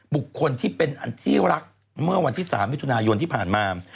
บุคคลที่เป็นอันที่รักเมื่อวันที่๓มิถุนายนที่ผ่านมา